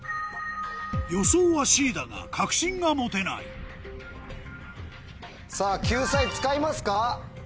予想はＣだが確信が持てないさぁ救済使いますか？